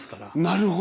なるほど。